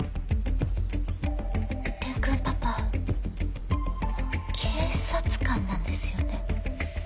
蓮くんパパ警察官なんですよね？